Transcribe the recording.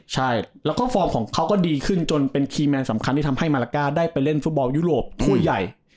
ใช่แล้วก็ฟอร์มของเขาก็ดีขึ้นจนเป็นคีย์แมนสำคัญที่ทำให้มาลาก้าได้ไปเล่นฟุตบอลยุโรปตัวใหญ่